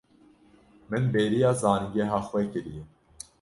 Min bêriya zanîngeha xwe kiriye.